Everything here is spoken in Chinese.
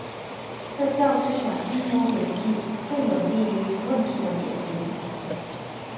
这较之耍阴谋诡计更有利于问题的解决。